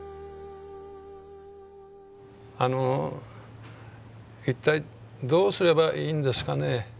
あの一体どうすればいいんですかね？